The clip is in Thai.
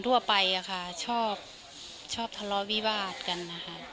ทั่วไปชอบทะเลาะวิบาตกันนะคะ